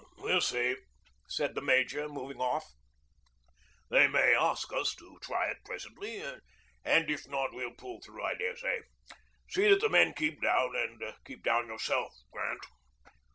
'We'll see,' said the major moving off. 'They may ask us to try it presently. And if not we'll pull through, I dare say. See that the men keep down, and keep down yourself, Grant.